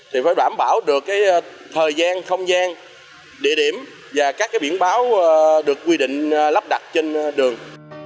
thì phải đảm bảo được cái thời gian không gian địa điểm và các biển báo được quy định lắp đặt trên đường